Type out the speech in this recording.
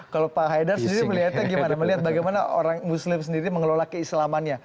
kalau pak haidar melihatnya bagaimana orang muslim sendiri mengelola keislamannya